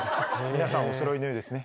皆さんお揃いのようですね。